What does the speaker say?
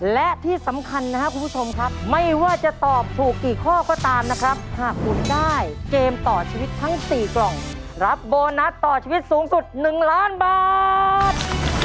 นะครับหากหมุนได้เกมต่อชีวิตทั้งสี่กล่องรับโบนัสต่อชีวิตสูงสุดหนึ่งล้านบาท